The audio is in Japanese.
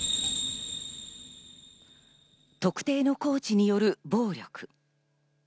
特定のコーチによる暴力。